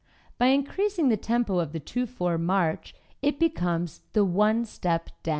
By increasing the tempo of the 2 4 March it becomes the One Step dance.